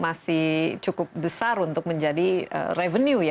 masih cukup besar untuk menjadi revenue ya